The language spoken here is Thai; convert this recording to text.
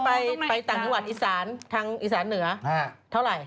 ไปจากประเมินอีสานทางอีสานเหนือเท่าไหร่